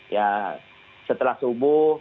nah setelah subuh